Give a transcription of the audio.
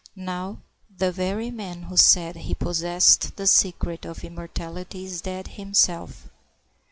Now, the very man who said he possessed the secret of immortality is dead him self.